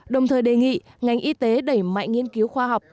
đồng thời đề nghị ngành y tế đẩy mạnh nghiên cứu khoa học